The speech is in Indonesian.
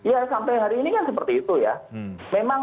ya sampai hari ini kan seperti itu ya